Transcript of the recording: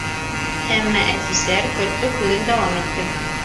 Әммә әфисәр көртлөк һүҙен дауам итте: